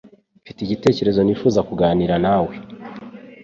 Mfite igitekerezo nifuza kuganira nawe.